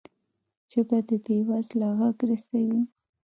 ژبه د بې وزله غږ رسوي